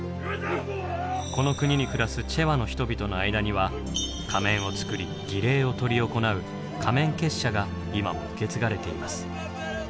この国に暮らすチェワの人々の間には仮面を作り儀礼を執り行う仮面結社が今も受け継がれています。